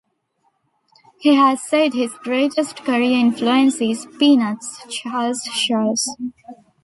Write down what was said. He has said his greatest career influence is "Peanuts"' Charles Schulz.